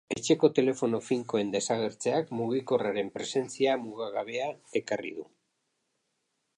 Etxeko telefono finkoen desagertzeak mugikorraren presentzia mugagabea ekarri du.